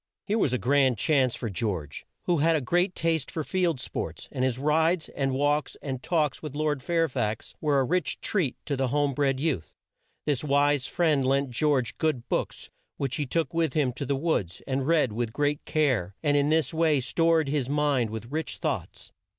Here was a grand chance for George, who had a great taste for field sports, and his rides, and walks, and talks with Lord Fair fax were a rich treat to the home bred youth. This wise friend lent George good books which he took with him to the woods and read with great care, and in this way stored his mind with rich thoughts.